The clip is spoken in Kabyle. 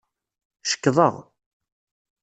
Cekḍeɣ.